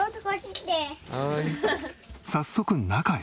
早速中へ。